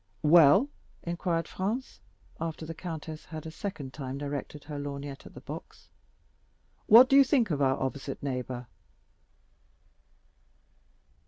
"Well." inquired Franz, after the countess had a second time directed her lorgnette at the box, "what do you think of our opposite neighbor?"